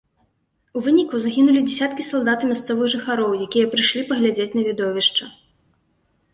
У выніку загінулі дзясяткі салдат і мясцовых жыхароў, якія прыйшлі паглядзець на відовішча.